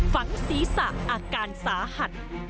ฝังศีรษะอาการสาหัส